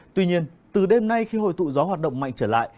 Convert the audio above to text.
tuy nhiên từ đêm nay khi hội tụ gió hoạt động mạnh trở lại